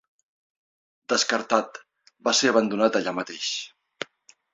Descartat, va ser abandonat allà mateix.